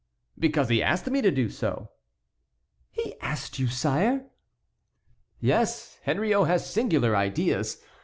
"Because he asked me to do so." "He asked you, sire?" "Yes, Henriot has singular ideas.